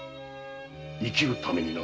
生きるためにな。